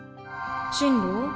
進路？